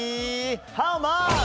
ハウマッチ。